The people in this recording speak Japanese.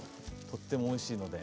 とってもおいしいので。